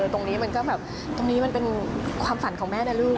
ตรงนี้มันก็แบบตรงนี้มันเป็นความฝันของแม่นะลูก